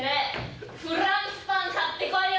フランスパン買ってこいよ！